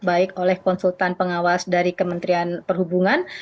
baik oleh konsultan pengawas dari kementerian perhubungan